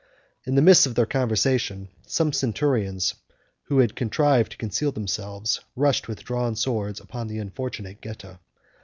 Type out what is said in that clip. In the midst of their conversation, some centurions, who had contrived to conceal themselves, rushed with drawn swords upon the unfortunate Geta.